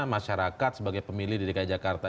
masyarakat sebagai pemilih di dki jakarta